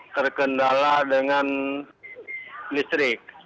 terkendala dengan listrik